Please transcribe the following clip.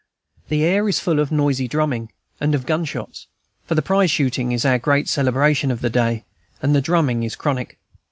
The air is full of noisy drumming, and of gunshots; for the prize shooting is our great celebration of the day, and the drumming is chronic.